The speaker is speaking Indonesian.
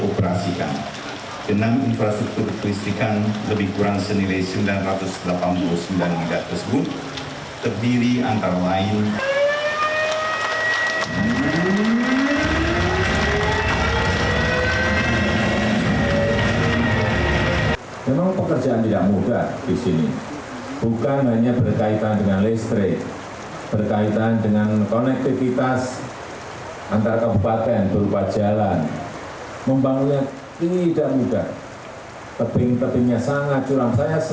pembangunan kelistrikan di papua